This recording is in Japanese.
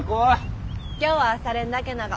今日は朝練だけなが。